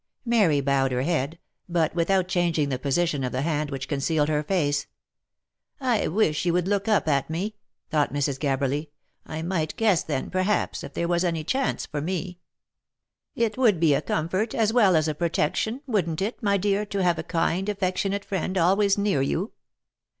Mary bowed her head, but without changing the position of the hand which concealed her face. " I wish she would look up at me," thought Mrs. Gabberly; " I might guess then, perhaps, if there was any chance for me." " It would be a comfort, as well as a protection, wouldn't it, my dear, to have a kind, affectionate friend, always near you